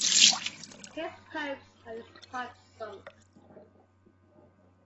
His hopes and his heart sunk.